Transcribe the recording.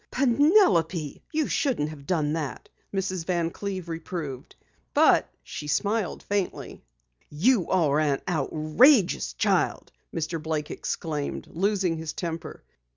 "Penelope, you shouldn't have done that," Mrs. Van Cleve reproved, but she smiled faintly. "You are an outrageous child!" Mr. Blake exclaimed, losing his temper.